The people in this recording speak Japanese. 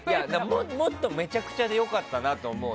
もっとめちゃくちゃで良かったなと思う。